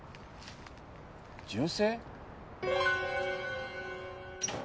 銃声？